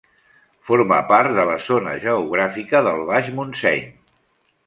Forma part de la zona geogràfica del Baix Montseny.